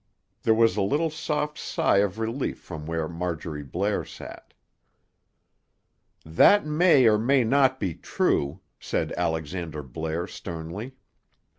There was a little soft sigh of relief from where Marjorie Blair sat. "That may or may not be true," said Alexander Blair sternly.